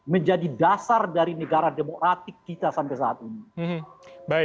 menjadi dasar dari negara demokratik kita sampai saat ini